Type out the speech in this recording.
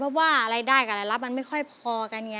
เพราะว่ารายได้กับรายรับมันไม่ค่อยพอกันไง